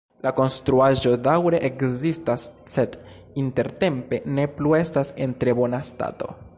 La konstruaĵo daŭre ekzistas, sed intertempe ne plu estas en tre bona stato.